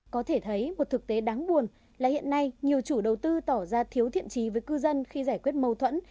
có thể thấy một thực tế đáng buồn là hiện nay nhiều chủ đầu tư tỏ ra thiếu thiện trí với cư dân khi giải quyết mâu thuẫn